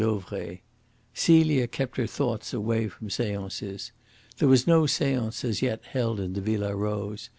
Dauvray. Celia kept her thoughts away from seances. There was no seance as yet held in the Villa Rose.